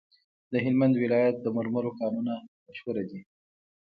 د هلمند ولایت د مرمرو کانونه مشهور دي؟